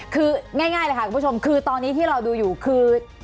คือง่ายเลยค่ะคุณผู้ชมคือตอนนี้ที่เราดูอยู่คือ